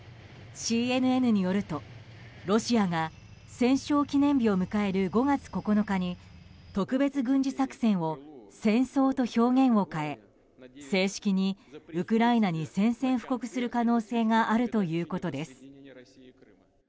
ＣＮＮによるとロシアが戦勝記念日を迎える５月９日に、特別軍事作戦を戦争と表現を変え正式にウクライナに宣戦布告する可能性があるということです。